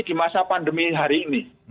di masa pandemi hari ini